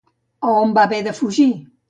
A on van haver de fugir?